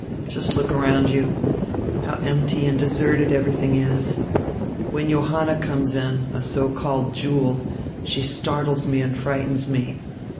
Just look around you. How empty and deserted everything is! When Johanna conies in, a so called jewel, she startles me and frightens me.